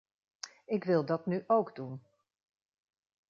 Ik wil dat nu ook doen.